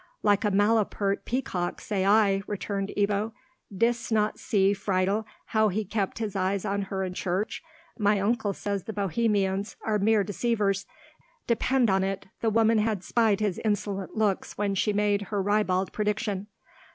"Like a malapert peacock, say I," returned Ebbo; "didst not see, Friedel, how he kept his eyes on her in church? My uncle says the Bohemians are mere deceivers. Depend on it the woman had spied his insolent looks when she made her ribald prediction."